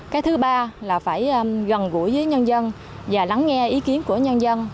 cái thứ ba là phải gần gũi với nhân dân và lắng nghe ý kiến của nhân dân